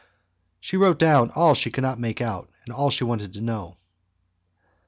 She wrote down all she could not make out and all she wanted to know.